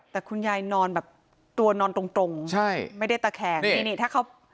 แต่คุณยายนอนแบบตัวนอนตรงตรงใช่ไม่ได้ตะแคงนี่นี่ถ้าเขา